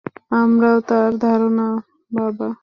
আমারও তাই ধারণা, বাবা।